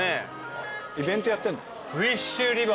イベントやってんの？